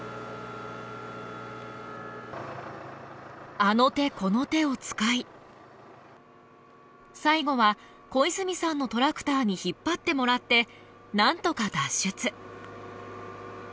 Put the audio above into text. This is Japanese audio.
あの手この手を使い最後は小泉さんのトラクターに引っ張ってもらってなんとか脱出。